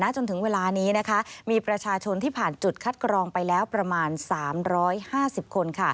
จนถึงเวลานี้มีประชาชนที่ผ่านจุดคัดกรองไปแล้วประมาณ๓๕๐คน